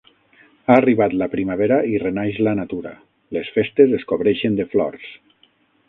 Ha arribat la primavera i renaix la natura: les festes es cobreixen de flors.